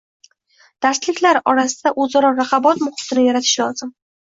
Darsliklar orasida oʻzaro raqobat muhitini yaratish lozim.